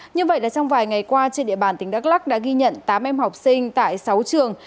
như vậy là trong vài ngày qua trên địa bàn tỉnh đắk lắc đã ghi nhận tám em học sinh tại sáu trường